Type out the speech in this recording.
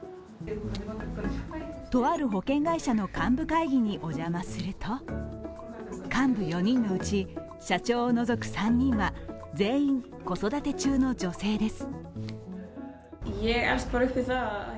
とある保険会社の幹部会議にお邪魔すると幹部４人のうち、社長を除く３人は全員子育て中の女性です。